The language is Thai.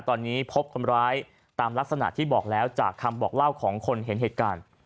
ตอนนี้พบคนร้ายตามลักษณะที่บอกแล้วจากคำบอกเล่าของคนเห็นเหตุการณ์